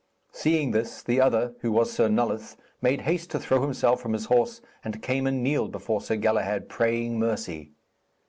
Seeing this, the other, who was Sir Nulloth, made haste to throw himself from his horse, and came and kneeled before Sir Galahad, praying mercy.